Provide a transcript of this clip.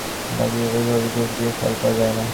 ডাক বিভাগে অভিযোগ দিয়ে কোনো ফল পাওয়া যায় না।